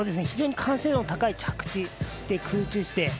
非常に完成度の高い着地そして、空中姿勢。